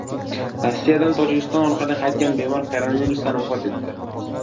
Rossiyadan Tojikiston orqali qaytgan bemor koronavirusdan vafot etdi